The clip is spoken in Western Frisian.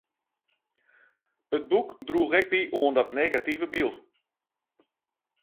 It boek droech ek by oan dat negative byld.